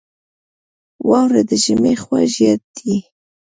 • واوره د ژمي خوږ یاد دی.